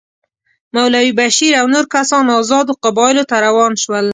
مولوي بشیر او نور کسان آزادو قبایلو ته روان شول.